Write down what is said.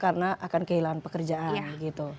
karena akan kehilangan pekerjaan gitu